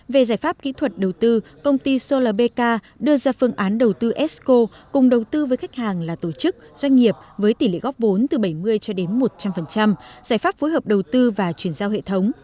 về giải pháp kỹ thuật đầu tư công ty solabeka đưa ra phương án đầu tư esco cùng đầu tư với khách hàng là tổ chức doanh nghiệp với tỷ lệ góp vốn từ bảy mươi cho đến một trăm linh giải pháp phối hợp đầu tư và chuyển giao hệ thống